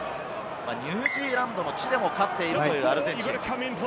ニュージーランドの地でも勝っているアルゼンチン。